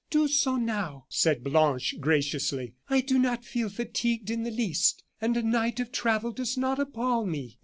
"Do so now," said Blanche, graciously; "I do not feel fatigued in the least, and a night of travel does not appall me."